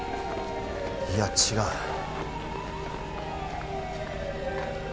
いや違う。